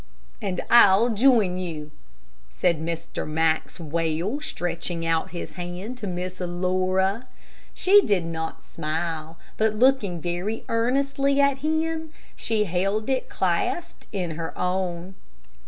"And I'll join you," said Mr. Maxwell, stretching out his hand to Miss Laura. She did not smile, but looking very earnestly at him, she held it clasped in her own.